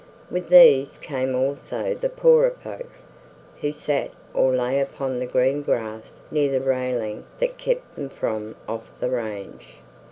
With these came also the poorer folk, who sat or lay upon the green grass near the railing that kept them from off the range.